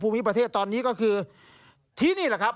วิประเทศตอนนี้ก็คือที่นี่แหละครับ